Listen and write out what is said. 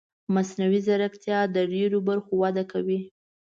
مصنوعي ځیرکتیا د ډېرو برخو وده کوي.